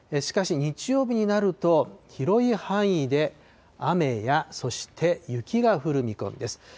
しかし、日曜日になると広い範囲で雨やそして雪が降る見込みです。